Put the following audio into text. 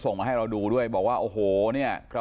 ตอนนี้ก็เปลี่ยนแบบนี้แหละ